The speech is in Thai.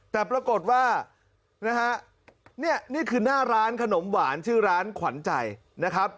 แต่ปรากฏว่านะฮะเนี่ยนี่คือหน้าร้านขนมหวานชื่อร้านขวัญใจนะครับ